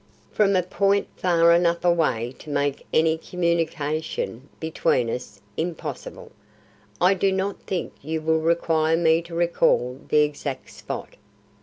"From a point far enough away to make any communication between us impossible. I do not think you will require me to recall the exact spot."